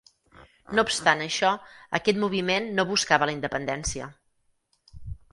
No obstant això, aquest moviment no buscava la independència.